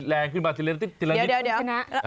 เดี๋ยว